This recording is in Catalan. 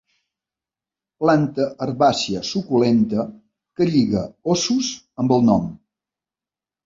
Planta herbàcia suculenta que lliga óssos amb el nom.